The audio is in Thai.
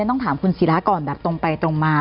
ต้องถามคุณศิราก่อนแบบตรงไปตรงมา